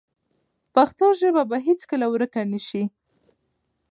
پښتو ژبه به هیڅکله ورکه نه شي.